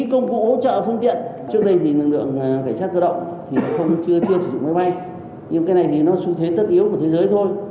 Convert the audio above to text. lực lượng cảnh sát cơ động thì chưa sử dụng máy bay nhưng cái này thì nó xu thế tất yếu của thế giới thôi